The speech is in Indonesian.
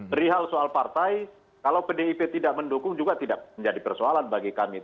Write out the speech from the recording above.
perihal soal partai kalau pdip tidak mendukung juga tidak menjadi persoalan bagi kami